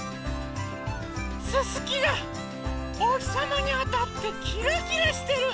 すすきがおひさまにあたってキラキラしてる！